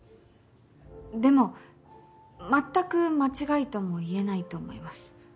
でもまったく間違いとも言えないと思います。